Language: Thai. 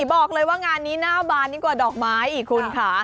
บอกเลยว่างานนี้หน้าบานยิ่งกว่าดอกไม้อีกคุณค่ะ